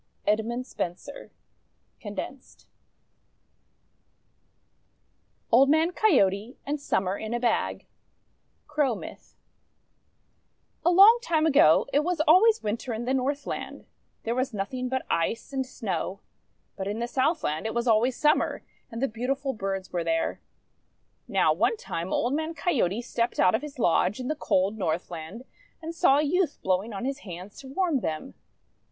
EDMUND SPENSER (condensed) OLD MAN COYOTE AND SUMMER IN A BAG Crow Myth A LONG time ago, it was always Winter in the Northland. There was nothing but Ice and Snow. But in the Southland it was always Summer, and the beautiful birds were there. Now one time Old Man Coyote stepped out of his lodge in the cold Northland, and saw a youth blowing on his hands to warm them.